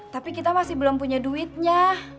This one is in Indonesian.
tapi kita masih belum punya duitnya